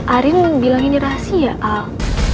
arin bilang ini rahasia al